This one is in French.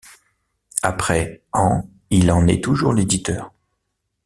Après ans, il en est toujours l'éditeur.